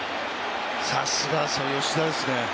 さすが吉田ですね。